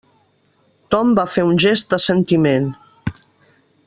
Tom va fer un gest d'assentiment.